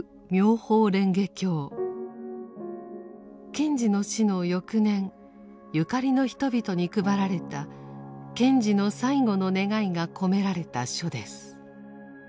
賢治の死の翌年ゆかりの人々に配られた賢治の最期の願いが込められた書です。